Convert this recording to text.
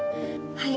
はい。